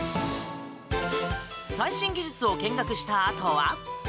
最新技術を見学したあとは。